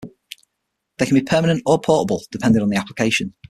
They can be permanent or portable, depending on the application.